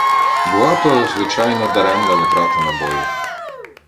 Була то, звичайно, даремна витрата набоїв.